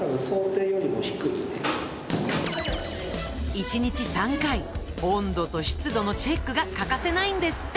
１日３回温度と湿度のチェックが欠かせないんですって。